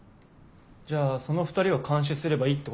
じゃあその２人を監視すればいいってことか。